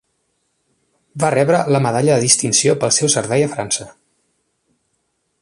Va rebre la Medalla de distinció pel seu servei a França.